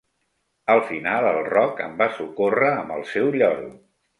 Al final el Roc em va socórrer amb el seu lloro.